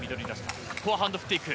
フォアハンド振っていく。